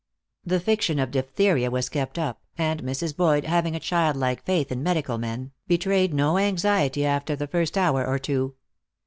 The fiction of diphtheria was kept up, and Mrs. Boyd, having a childlike faith in medical men, betrayed no anxiety after the first hour or two.